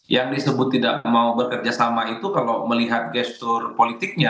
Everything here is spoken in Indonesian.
yang disebut tidak mau bekerja sama itu kalau melihat gestur politiknya